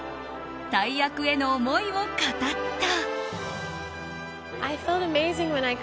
大役への思いを語った。